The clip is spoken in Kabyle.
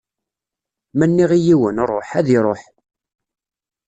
Ma nniɣ i yiwen: Ṛuḥ, ad iṛuḥ.